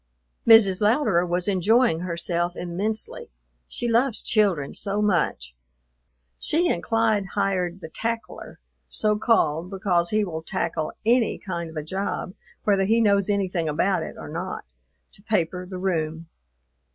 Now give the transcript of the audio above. Mrs. Louderer was enjoying herself immensely, she loves children so much. She and Clyde hired the "Tackler" so called because he will tackle any kind of a job, whether he knows anything about it or not to paper the room.